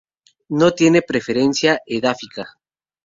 No tiene preferencia edáfica.